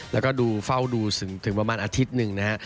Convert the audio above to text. แล้วก็ดูเฝ้าดูถึงประมาณอาทิตย์หนึ่งนะฮะ